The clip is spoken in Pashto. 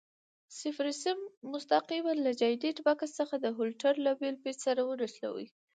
صفري سیم مستقیماً له جاینټ بکس څخه د هولډر له بل پېچ سره ونښلوئ.